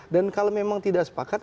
dan kalau memang tidak sepakat